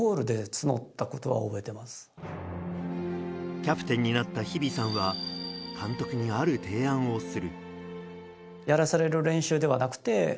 キャプテンになった日比さんは監督にある提案をする。